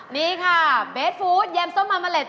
นี่ค่ะเบสฟู้ดแยมส้มมาเมอร์เล็ด